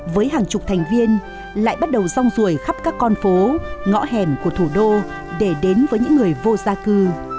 với hàng chục thành viên lại bắt đầu rong rủi khắp các con phố ngõ hẻm của thủ đô để đến với những người vô gia cư